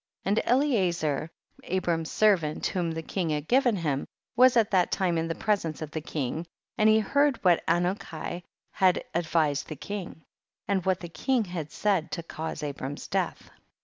59. And Eliezcr, Abram's servant whom the king had given him, was at that time in the presence of the king, and he heard what Anuki had advised the king, and what the king had said to cause Abram's death.